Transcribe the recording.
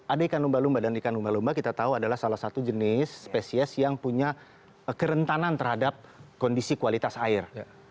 ada ikan lumba lumba dan ikan lumba lumba kita tahu adalah salah satu jenis spesies yang punya kerentanan terhadap kondisi kualitas air